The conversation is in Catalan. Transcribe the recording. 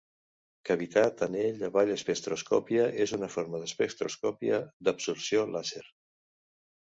Cavitat anell avall espectroscòpia és una forma d'espectroscòpia d'absorció làser.